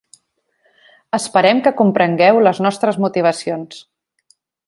Esperem que comprengueu les nostres motivacions.